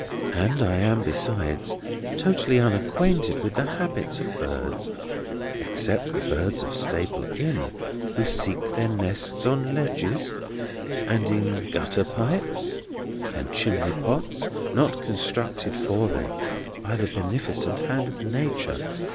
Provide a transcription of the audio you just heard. And I am besides totally unacquainted with the habits of birds, except the birds of Staple Inn, who seek their nests on ledges, and in gutter pipes and chimneypots, not constructed for them by the beneficent hand of Nature.